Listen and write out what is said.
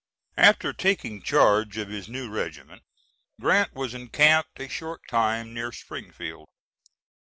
[After taking charge of his new regiment, Grant was encamped a short time near Springfield.